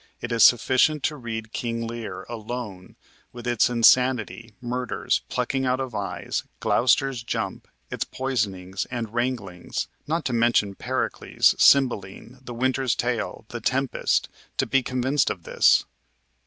It is sufficient to read "King Lear," alone, with its insanity, murders, plucking out of eyes, Gloucester's jump, its poisonings, and wranglings not to mention "Pericles," "Cymbeline," "The Winter's Tale," "The Tempest" to be convinced of this.